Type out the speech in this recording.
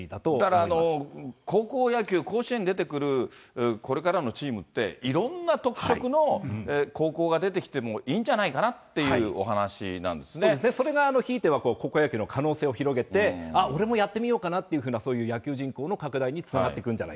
だから高校野球、甲子園出てくるこれからのチームって、いろんな特色の高校が出てきてもいいんじゃないかなというお話なそれが引いては、高校野球の可能性を広げて、あっ、俺もやってみようかなという野球人口の拡大につながってくるんじ